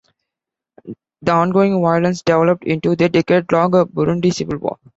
The ongoing violence developed into the decade-long Burundi Civil War.